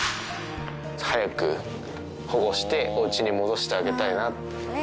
早く保護して、おうちに戻してあげたいな。